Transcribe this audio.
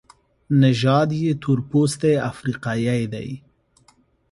نژاد یې تورپوستی افریقایی دی.